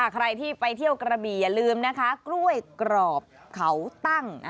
ใครที่ไปเที่ยวกระบี่อย่าลืมนะคะกล้วยกรอบเขาตั้ง